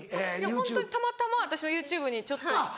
ホントにたまたま私のＹｏｕＴｕｂｅにちょっと。